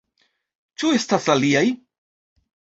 Ĉu estas aliaj?